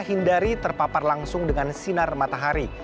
hindari terpapar langsung dengan sinar matahari